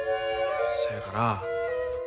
そやから。